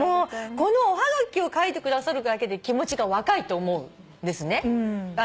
このおはがきを書いてくださるだけで気持ちが若いって思うんですね。